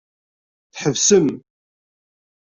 Tḥebsem.